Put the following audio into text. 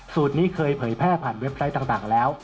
นี้เคยเผยแพร่ผ่านเว็บไซต์ต่างแล้ว